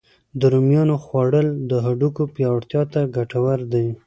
د رومیانو خوړل د هډوکو پیاوړتیا ته ګتور دی